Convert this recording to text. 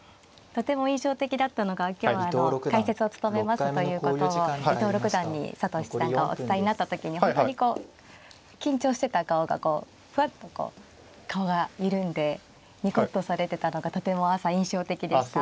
とても印象的だったのが今日あの解説を務めますということを伊藤六段に佐藤七段がお伝えになった時に本当にこう緊張してた顔がこうふわっと顔が緩んでにこっとされてたのがとても朝印象的でした。